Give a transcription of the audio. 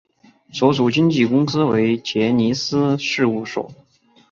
所属经纪公司为杰尼斯事务所。